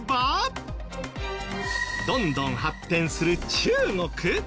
どんどん発展する中国？